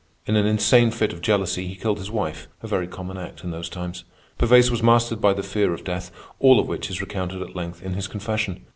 In an insane fit of jealousy he killed his wife—a very common act in those times. Pervaise was mastered by the fear of death, all of which is recounted at length in his confession.